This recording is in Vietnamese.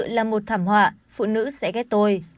là một thảm họa phụ nữ sẽ ghét tôi